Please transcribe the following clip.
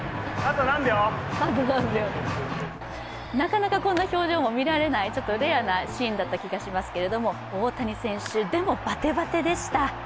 なかなかこんな表情も見られない、レアなシーンだったと思いますけれども大谷選手でもバテバテでした。